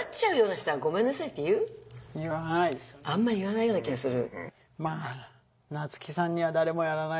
でもさあんまり言わないような気がする。